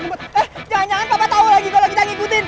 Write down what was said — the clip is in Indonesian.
eh jangan jangan papa tau lagi kok lagi tak ngikutin